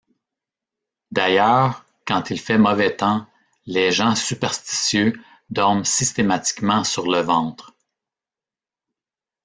D'ailleurs, quand il fait mauvais temps, les gens superstitieux dorment systématiquement sur le ventre.